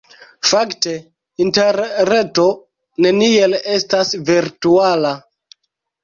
Fakte Interreto neniel estas virtuala.